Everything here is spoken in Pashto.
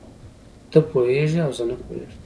ته پوهېږې او زه نه پوهېږم.